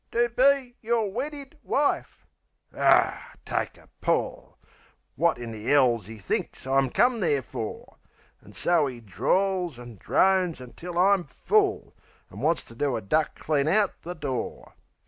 "To be yer weddid wife " Aw, take a pull! Wot in the 'ell's 'e think I come there for? An' so 'e drawls an' drones until I'm full, An' wants to do a duck clean out the door.